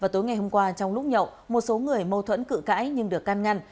vào tối ngày hôm qua trong lúc nhậu một số người mâu thuẫn cự cãi nhưng được can ngăn